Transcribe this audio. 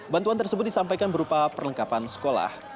bantuan tersebut disampaikan berupa perlengkapan sekolah